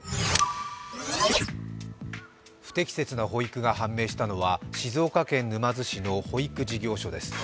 不適切な保育が判明したのは静岡県沼津市の保育事業所です。